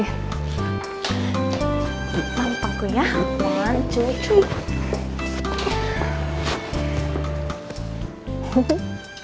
lampangku ya aman cucu